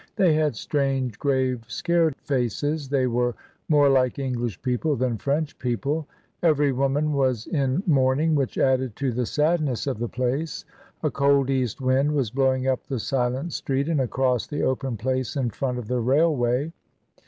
They had strange, grave, scared faces; they were more like English people than French people; every woman was in mourning, which added to the sadness of the place. A cold east wind was blowing up the silent street and across the open place in front of the railway.